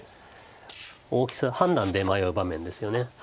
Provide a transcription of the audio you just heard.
大きさ判断で迷う場面ですよね。